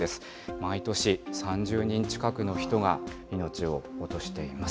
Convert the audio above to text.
毎年３０人近くの人が命を落としています。